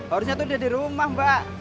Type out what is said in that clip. harusnya itu dia di rumah mbak